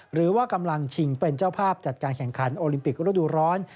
หรือว่ากำลังชิงเป็นเจ้าภาพจัดการแข่งขันโอลิมปิกระดูกร้อน